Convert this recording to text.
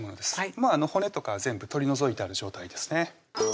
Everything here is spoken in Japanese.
もう骨とか全部取り除いてある状態ですね